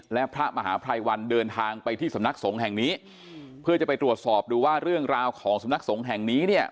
และพระมหาภัยวันเดินทางไปที่สำนักสงฆ์แห่งนี้เพื่อจะไปตรวจสอบดูว่าเรื่องราวของสำนักสงฆ์แห่งนี้เนี่ย